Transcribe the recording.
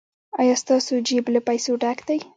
ایا ستاسو جیب له پیسو ډک دی؟